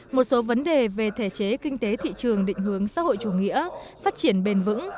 một số vấn đề về thể chế kinh tế thị trường định hướng xã hội chủ nghĩa phát triển bền vững